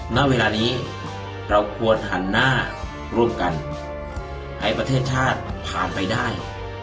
ณเวลานี้เราควรหันหน้าร่วมกันให้ประเทศชาติผ่านไปได้